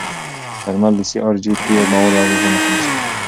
درمل د سی ار جي پي موادو اغېزې مخه نیسي.